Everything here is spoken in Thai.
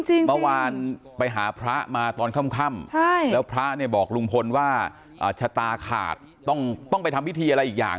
เมื่อวานไปหาพระมาตอนค่ำแล้วพระเนี่ยบอกลุงพลว่าชะตาขาดต้องไปทำพิธีอะไรอีกอย่าง